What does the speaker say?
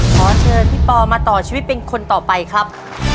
ขอเชิญพี่ปอมาต่อชีวิตเป็นคนต่อไปครับ